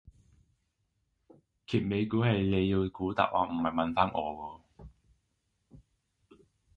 揭尾故係你要估答案唔係問返我喎